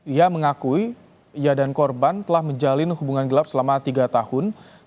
ia mengakui ia dan korban telah menjalin hubungan gelap selama tiga tahun